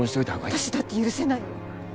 私だって許せないよ。